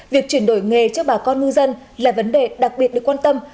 việc chuyển đổi nghề cho bà con ngư dân là vấn đề đặc biệt được quan tâm